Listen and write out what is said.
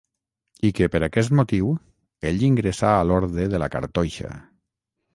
I que, per aquest motiu, ell ingressà a l'orde de la Cartoixa.